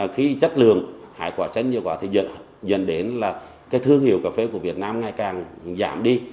khí chất lượng hải quả xanh như quả thì dẫn đến là cái thương hiệu cà phê của việt nam ngày càng giảm đi